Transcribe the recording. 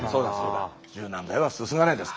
柔軟剤はすすがないです。